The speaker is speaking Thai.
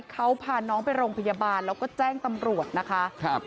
เขาพาน้องไปโรงพยาบาลแล้วก็แจ้งตำรวจนะคะ